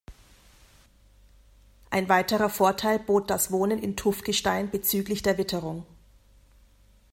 Ein weiterer Vorteil bot das Wohnen in Tuffgestein bezüglich der Witterung.